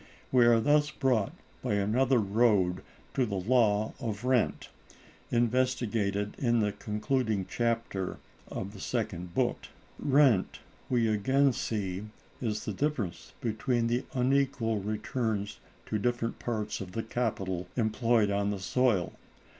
We are thus brought by another road to the Law of Rent, investigated in the concluding chapter of the Second Book. Rent, we again see, is the difference between the unequal returns to different parts of the capital employed on the soil.